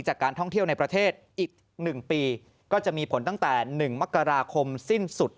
จากการท่องเที่ยวในประเทศอีก๑ปีก็จะมีผลตั้งแต่๑มกราคมสิ้นสุด